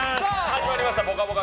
始まりました「ぽかぽか」